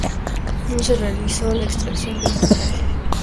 No se realizó la extracción del tumor.